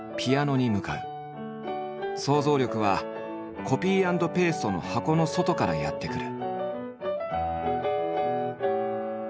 想像力はコピー＆ペーストの箱の外からやって来る。